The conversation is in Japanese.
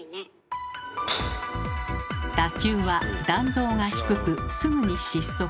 打球は弾道が低くすぐに失速。